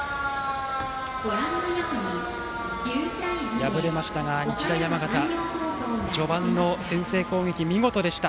敗れました日大山形序盤の先制攻撃、見事でした。